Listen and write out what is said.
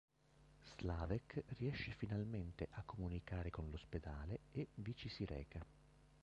Slávek riesce finalmente a comunicare con l'ospedale, e vi ci si reca.